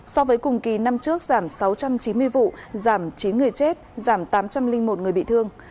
so với cùng kỳ năm trước giảm sáu trăm chín mươi vụ giảm chín người chết giảm tám trăm linh một người bị thương